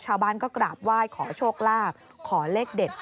ชาวบ้านก็กราบไหว้ขอโชคลาภขอเลขเด็ด